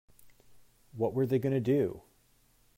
What were they going to do?